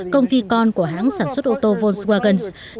công ty con của hãng sản xuất ô tô volkswagen